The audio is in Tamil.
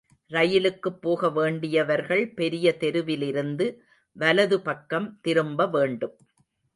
ரயிலுக்குப் போகவேண்டியவர்கள் பெரிய தெருவிலிருந்து வலது பக்கம் திரும்பவேண்டும்.